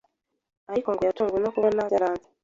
ariko ngo yatunguwe no kuba byaranze